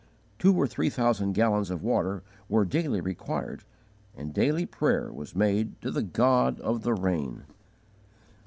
Two or three thousand gallons of water were daily required, and daily prayer was made to the God of the rain.